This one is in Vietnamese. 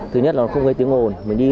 thứ nhất là không có tiếng ồn